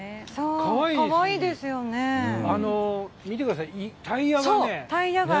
見てください、タイヤが。